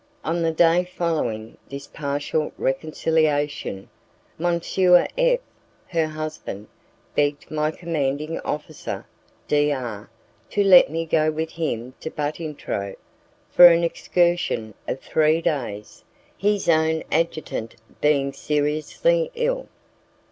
On the day following this partial reconciliation, M. F , her husband, begged my commanding officer, D R , to let me go with him to Butintro for an excursion of three days, his own adjutant being seriously ill.